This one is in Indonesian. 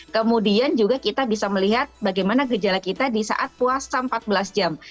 kemudian juga kita bisa melihat bagaimana gejala kita di saat puasa empat belas jam